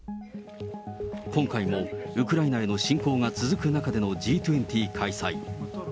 今回もウクライナへの侵攻が続く中でのＧ２０開催。